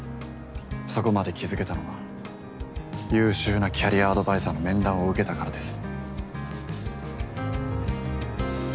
そこまで気付けたのは優秀なキャリアアドバイザーの面談を受けたからです。